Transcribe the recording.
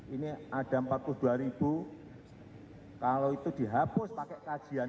ini ada empat puluh dua kalau itu dihapus pakai kajian